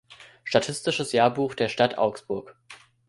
Statistisches Jahrbuch der Stadt Augsburg.